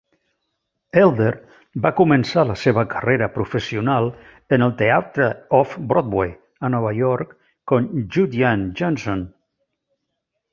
Elder va començar la seva carrera professional en el teatre "off-Broadway", a Nova York, com "Judyann Jonsson".